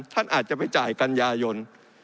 ท่านอาจจะไปจ่ายกันยายน